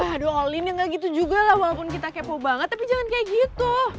aduh olin yang gak gitu juga lah walaupun kita kepo banget tapi jangan kayak gitu